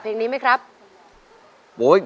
เพลงนี้สี่หมื่นบาทค่ะอินโทรเพลงที่สาม